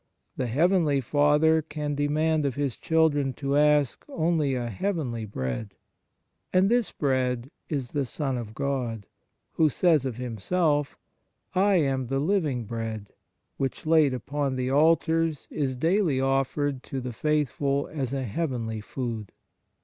The heavenly Father can demand of His children to ask only a heavenly Bread, and this Bread is the Son of God, who says of Himself: I am the Living Bread, which laid upon the altars is daily offered to the faithful as a heavenly food."